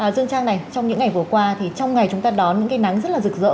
dương trang này trong những ngày vừa qua thì trong ngày chúng ta đón những cái nắng rất là rực rỡ